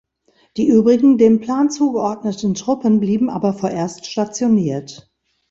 Die übrigen dem Plan zugeordneten Truppen blieben aber vorerst stationiert.